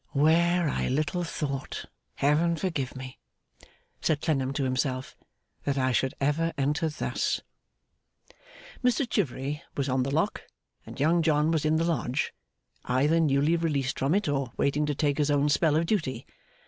'Where I little thought, Heaven forgive me,' said Clennam to himself, 'that I should ever enter thus!' Mr Chivery was on the Lock, and Young John was in the Lodge: either newly released from it, or waiting to take his own spell of duty.